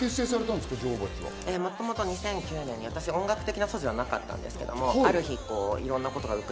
もともと２００９年に私、音楽的な素地はなかったんですけれども、いろいろな活動を。